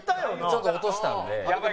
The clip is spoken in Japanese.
ちょっと落としたんで。